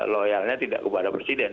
loyalnya tidak kepada presiden